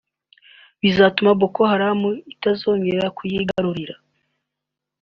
bizatuma Boko Haram itazongera kuyigarurira